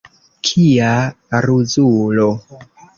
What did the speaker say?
Kia ruzulo!